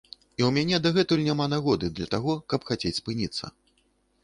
І ў мяне дагэтуль няма нагоды для таго, каб хацець спыніцца.